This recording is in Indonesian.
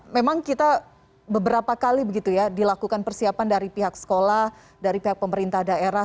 memang kita beberapa kali begitu ya dilakukan persiapan dari pihak sekolah dari pihak pemerintah daerah